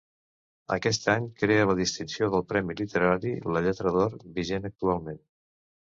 Aquest any crea la distinció del Premi Literari La Lletra d'Or, vigent actualment.